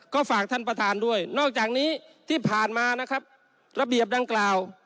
ก็ฝากท่านประธานด้วยนอกจากนี้ที่ผ่านมานะครับระเบียบดังกล่าว